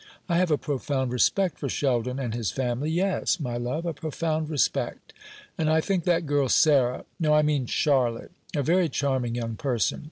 I have a profound respect for Sheldon and his family yes, my love, a profound respect; and I think that girl Sarah no, I mean Charlotte a very charming young person.